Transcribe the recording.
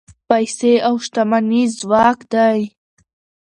پیسې او شتمني ځواک دی.